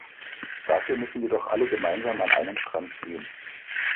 Dafür müssen wir jedoch alle gemeinsam an einem Strang ziehen.